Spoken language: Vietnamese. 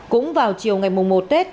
cũng vào chiều ngày mùng một tết